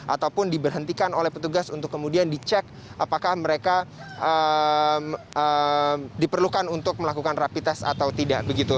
ataupun diberhentikan oleh petugas untuk kemudian dicek apakah mereka diperlukan untuk melakukan rapi tes atau tidak